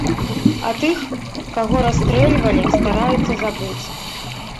А тых, каго расстрэльвалі, стараюцца забыць.